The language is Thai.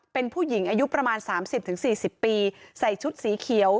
เป็นผู้หญิงอายุประมาณ๓๐๔๐ปีใส่ชุดสีเขียว